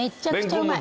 うまい。